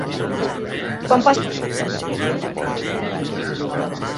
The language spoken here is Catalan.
Quan passa l'autobús pel carrer Croia?